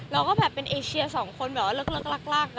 แล้วก็แบบเป็นเอเชียสองคนแบบว่าเลิกลากอะไรอย่างนี้อ่ะ